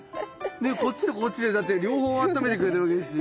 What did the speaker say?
ねこっちとこっちでだって両方あっためてくれてるわけですし。